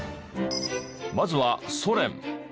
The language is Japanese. まずはソ連。